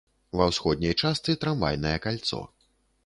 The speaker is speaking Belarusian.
Ва ўсходняй частцы трамвайнае кальцо.